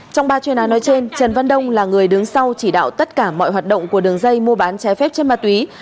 trong ba chuyên án nói trên trần văn đông là người đứng sau chỉ đạo tất cả mọi hoạt động của đường dây mua bán trái phép trên ma túy